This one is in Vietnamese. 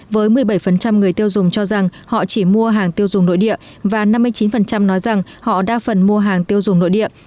với một mươi bảy người tiêu dùng cho rằng họ chỉ mua hàng tiêu dùng nội địa và năm mươi chín nói rằng họ đa phần mua hàng tiêu dùng nội địa